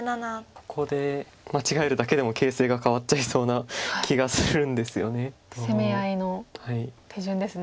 ここで間違えるだけでも形勢が変わっちゃいそうな気がするんですよね。